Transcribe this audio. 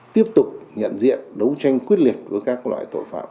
tiếp tục nhận diện đấu tranh quyết liệt với các loại tội phạm